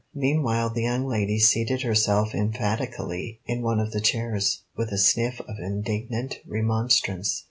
Meanwhile the young lady seated herself emphatically in one of the chairs, with a sniff of indignant remonstrance.